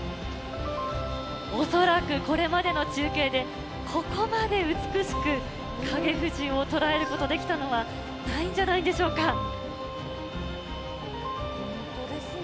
恐らく、これまでの中継で、ここまで美しく影富士を捉えることできたのはないんじゃないでし本当ですね。